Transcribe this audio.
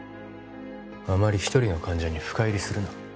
あまり一人の患者に深入りするな